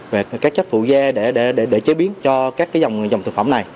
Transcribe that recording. và các chất phụ gia để chế biến cho các dòng thực phẩm này